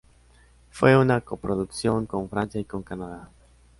Fue una coproducción con Francia y con Canadá.